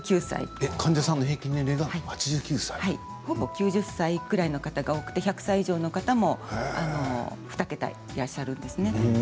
ほぼ９０歳ぐらいの方が多くて１００歳以上の方も２桁いらっしゃるんですね。